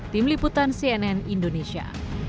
tim liputan cnn indonesia